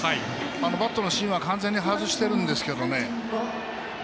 バットの芯は完全に外してるんですけどね。